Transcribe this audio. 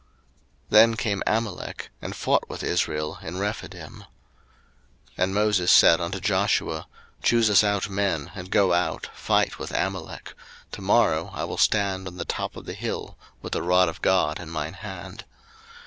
02:017:008 Then came Amalek, and fought with Israel in Rephidim. 02:017:009 And Moses said unto Joshua, Choose us out men, and go out, fight with Amalek: to morrow I will stand on the top of the hill with the rod of God in mine hand.